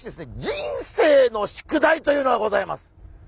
人生の宿題というのがございます。